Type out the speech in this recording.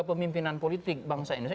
kemimpinan politik bangsa indonesia